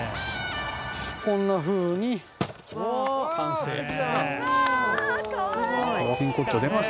こんなふうに、完成です。